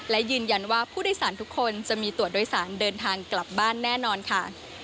และยืนยันว่าผู้โดยสารทุกคนจะมีตัวโดยสารเดินทางกลับบ้านแน่นอนค่ะ